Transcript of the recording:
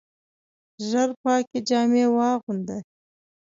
ژر پاکي جامې واغونده !